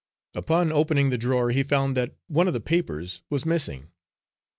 Upon opening the drawer he found that one of the papers was missing.